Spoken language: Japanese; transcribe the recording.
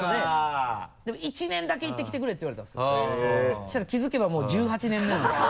そうしたら気づけばもう１８年目なんですよ。